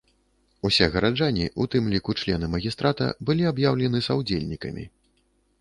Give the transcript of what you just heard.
Усе гараджане, у тым ліку члены магістрата былі аб'яўлены саўдзельнікамі.